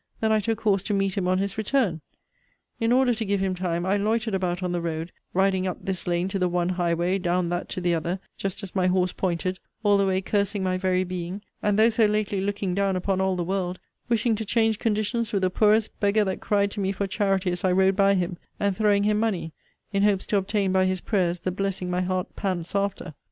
than I took horse to meet him on his return. In order to give him time, I loitered about on the road, riding up this lane to the one highway, down that to the other, just as my horse pointed; all the way cursing my very being; and though so lately looking down upon all the world, wishing to change conditions with the poorest beggar that cried to me for charity as I rode by him and throwing him money, in hopes to obtain by his prayers the blessing my heart pants after.